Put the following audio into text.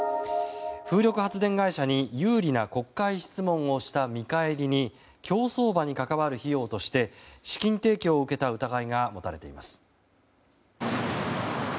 風力発電会社に有利な国会質問をした見返りに競走馬に関わる費用として資金提供を受けた疑いが持たれています。